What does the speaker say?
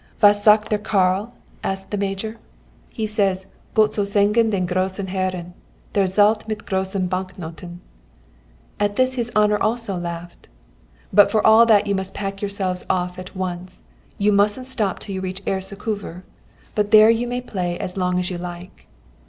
'Was sagt der Karl?' asked the major. He says, 'Gott soll segnen den grossen Herren, der zahlt mit grossen Bank noten!' At this his honour also laughed. 'But for all that you must pack yourselves off at once. You mustn't stop till you reach Ersekuvar, but there you may play as long as you like.'